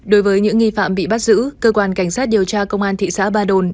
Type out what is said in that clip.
đối với những nghi phạm bị bắt giữ cơ quan cảnh sát điều tra công an thị xã ba đồn